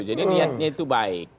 jadi niatnya itu baik